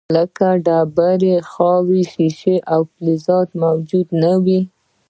لکه ډبرې، خاورې، شیشه او فلزات موجود نه وي.